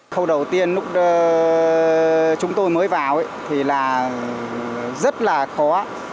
khâu đầu tiên lúc chúng tôi mới vào thì là rất là khó